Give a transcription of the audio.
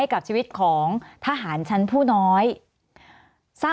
สวัสดีครับทุกคน